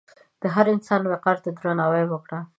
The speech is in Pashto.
د هر انسان وقار ته درناوی وکړه.